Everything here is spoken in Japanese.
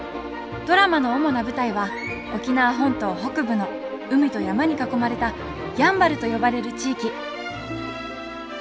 ドラマの主な舞台は沖縄本島北部の海と山に囲まれた「やんばる」と呼ばれる地域。